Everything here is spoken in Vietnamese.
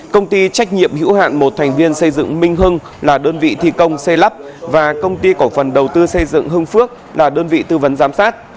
công ty trách nhiệm hữu hạn một thành viên xây dựng minh hưng là đơn vị thi công xây lắp và công ty cổ phần đầu tư xây dựng hưng phước là đơn vị tư vấn giám sát